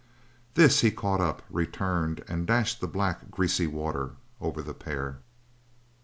This he caught up, returned, and dashed the black, greasy water over the pair.